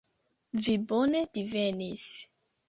Vi bone divenis.